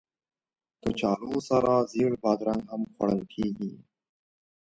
کچالو سره زېړه بادرنګ هم خوړل کېږي